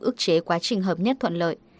ước chế quá trình hợp nhất thuận lợi